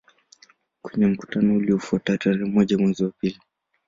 Kwenye mkutano uliofuata tarehe moja mwezi wa pili